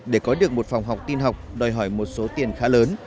để có được một phòng học tin học đòi hỏi một số tiền khá lớn